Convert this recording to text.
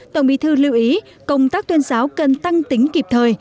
tổng bí thư lưu ý công tác tuyên giáo cần tăng tính kịp thời